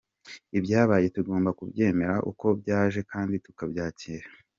Ibyabaye tugomba kubyemera uko byaje kandi tukabyakira.